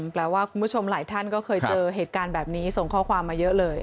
แปลว่าคุณผู้ชมหลายท่านก็เคยเจอเหตุการณ์แบบนี้ส่งข้อความมาเยอะเลย